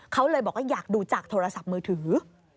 เขาเลยบอกว่าอยากดูจากโทรศัพท์มือถือ